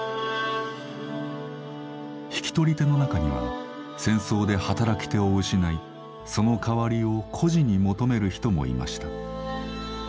引き取り手の中には戦争で働き手を失いその代わりを孤児に求める人もいました。